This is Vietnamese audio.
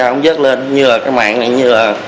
cũng dứt lên như là cái mạng này như là